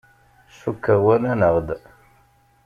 Cukkeɣ walan-aɣ-d.